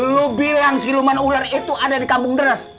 lo bilang siluman ular itu ada di kampung deras